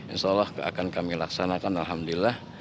insya allah akan kami laksanakan alhamdulillah